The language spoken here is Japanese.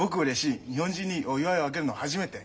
日本人にお祝いあげるの初めて。